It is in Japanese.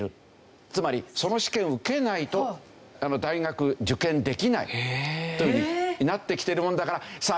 つまりその試験を受けないと大学受験できないという風になってきてるもんだからさあ